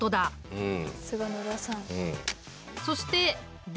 うん。